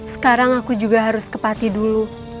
sekarang aku juga harus ke pati dulu